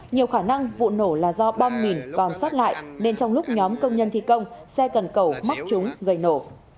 nhiều khả năng vụ nổ là do bom mìn còn xót lại nên trong lúc nhóm công nhân thi công xe cần cầu mắc chúng gây nổ